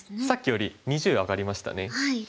さっきより２０上がりましたね。